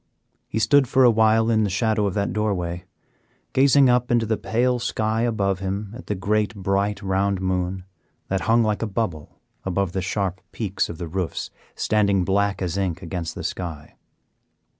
He stood for a while in the shadow of the doorway, gazing up into the pale sky above him at the great, bright, round moon, that hung like a bubble above the sharp peaks of the roofs standing black as ink against the sky.